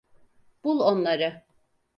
Bul onları.